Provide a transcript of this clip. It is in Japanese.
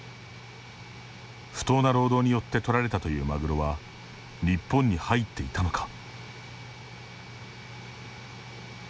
不当な労働によって取られたというマグロは日本に入っていたのか。